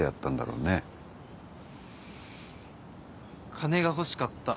金が欲しかった。